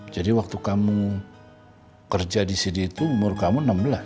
jadi waktu kamu kerja di sini itu umur kamu enam belas